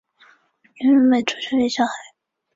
严仁美出生于上海。